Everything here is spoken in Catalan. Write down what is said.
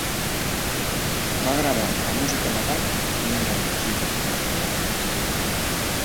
Va gravar la música de Bach amb un gran èxit.